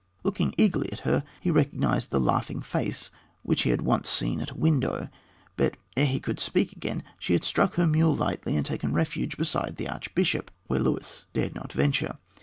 Looking eagerly at her, he recognized the laughing face which he had once seen at a window; but ere he could speak again she had struck her mule lightly and taken refuge beside the archbishop, where Luis dared not venture.